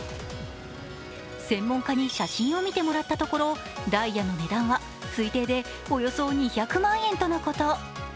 専門家に写真を見てもらったところ、ダイヤの値段は推定でおよそ２００万円とのこと。